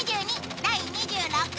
第２６位。